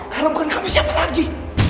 kalau bukan kamu siapa lagi